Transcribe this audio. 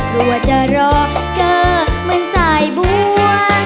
เผื่อจะรอเกอเหมือนสายบัว